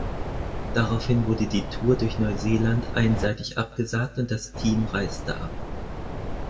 Daraufhin wurde die Tour durch Neuseeland einseitig abgesagt und das Team reiste ab.